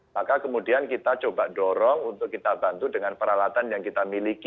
maka kemudian kita coba dorong untuk kita bantu dengan peralatan yang kita miliki